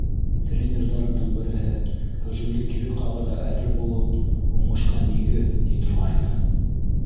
Тренерҙарымдың береһе, һөжүмде кире ҡағырға әҙер булыу — уңышҡа нигеҙ, ти торғайны.